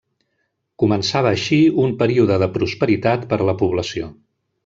Començava així un període de prosperitat per a la població.